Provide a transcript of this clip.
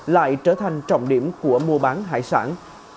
lại trở thành trọng điểm của mua bán hải sản